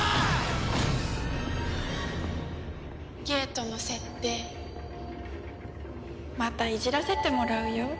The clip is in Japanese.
ゲートの設定またいじらせてもらうよ。